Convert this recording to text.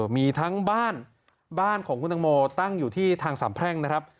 มีทั้งบ้านบ้านของคุณตังโมตั้งอยู่ที่ทางสามแพร่งนะครับ